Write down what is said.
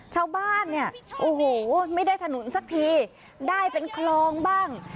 ชาวบ้านเนี่ยโอ้โหไม่ได้ถนนสักทีได้เป็นคลองบ้าง